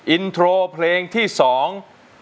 อินโทรเพลงที่สอง